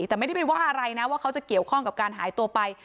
แต่ไม่ได้ไปว่าอะไรนะว่าเขาจะเกี่ยวข้องกับการหายตัวไป